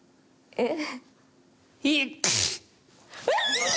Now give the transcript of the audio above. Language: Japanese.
えっ！